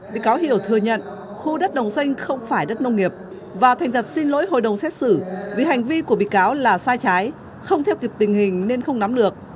bị cáo hiểu thừa nhận khu đất đồng xanh không phải đất nông nghiệp và thành thật xin lỗi hội đồng xét xử vì hành vi của bị cáo là sai trái không theo kịp tình hình nên không nắm được